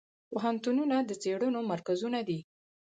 پوهنتونونه د څیړنو مرکزونه دي.